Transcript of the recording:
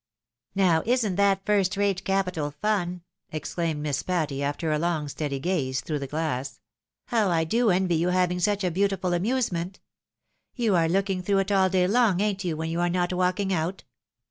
" Now isn't that first rate capital fun !" exclaimed Miss Patty, after a long steady gaze through the glass. " How I do envy you having such a beautiful amusement ! You are looking through it all day long, ain't you, when you are not walking out?"